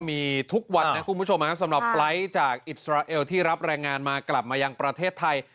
มีทุกวันนะคุณผู้ชมสำหรับไฟล์จากอิสราเอลที่รับแรงงานมากลับมายังประเทศไทย